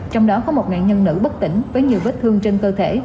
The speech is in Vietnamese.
trong đó có một nạn nhân nữ bất tỉnh với nhiều vết thương trên cơ thể